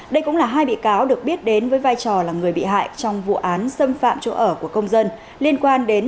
đây cũng là hai bị cáo được biết đến với vai trò là người bị hại trong vụ án xâm phạm chỗ ở của công dân liên quan đến